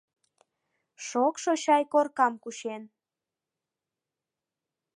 Шокшо чай коркам кучен.